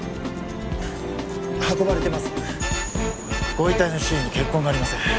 ご遺体の周囲に血痕がありません。